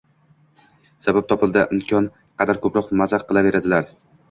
Sabab topildimi, imkon qadar ko‘proq mazax qilaveradilar.